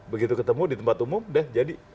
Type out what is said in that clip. begitu ketemu di tempat umum deh jadi